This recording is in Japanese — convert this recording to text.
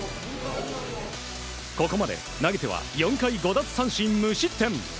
ここまで投げては４回５奪三振無失点。